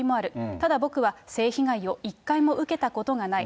ただ僕は性被害を一回も受けたことがない。